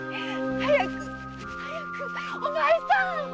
早く早くお前さん！〕